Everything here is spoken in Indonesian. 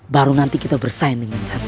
baru nanti kita bersaing dengan cara